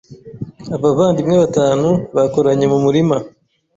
Abavandimwe batanu bakoranye mu murima.